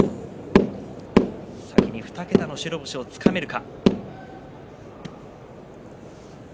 先に２桁の白星をつかめるか。